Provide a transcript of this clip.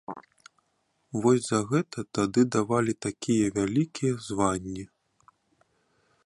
Вось за гэта тады давалі такія вялікія званні.